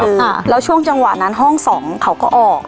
อ่าแล้วช่วงจังหวะนั้นห้องสองเขาก็ออก